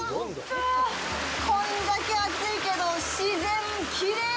こんだけ熱いけど、自然きれい！